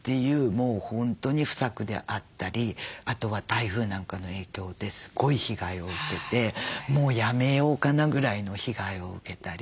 もう本当に不作であったりあとは台風なんかの影響ですごい被害を受けてもうやめようかなぐらいの被害を受けたり。